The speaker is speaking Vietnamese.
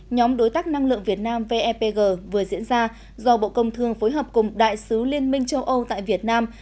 nhóm đối tác năng lượng việt nam vepg vừa diễn ra do bộ công thương phối hợp cùng đại sứ liên minh châu âu tại việt nam